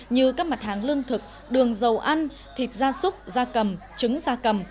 như các mặt hàng lương thực đường dầu ăn thịt da súc da cầm trứng da cầm